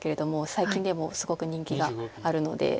最近でもすごく人気があるので。